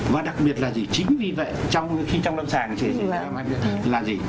và đặc biệt là gì chính vì vậy trong lâm sàng là gì